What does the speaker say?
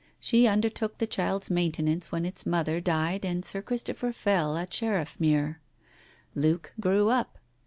She under took the child's maintenance when its mother died and Sir Christopher fell at Sheriffmuir. Luke grew up.